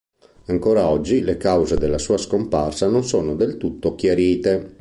Ancora oggi le cause della sua scomparsa non sono del tutto chiarite.